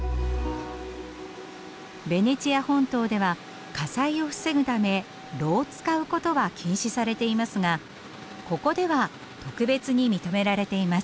ベネチア本島では火災を防ぐため炉を使うことは禁止されていますがここでは特別に認められています。